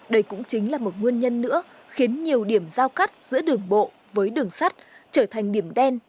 đây cũng chính là một nguyên nhân nữa khiến nhiều điểm giao cắt giữa đường bộ với đường sắt trở thành điểm đen